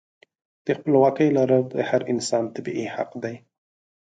د خپلواکۍ لرل د هر انسان طبیعي حق دی.